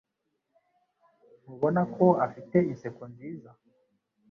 Ntubona ko afite inseko nziza?